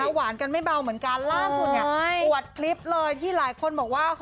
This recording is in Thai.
หวานกันไม่เบาเหมือนกันล่าสุดเนี่ยอวดคลิปเลยที่หลายคนบอกว่า